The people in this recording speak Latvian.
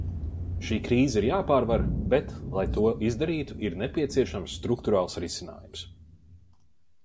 Šī krīze ir jāpārvar, bet, lai to izdarītu, ir nepieciešams strukturāls risinājums.